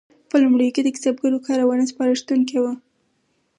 په لومړیو کې د کسبګرو کارونه سپارښتونکي وو.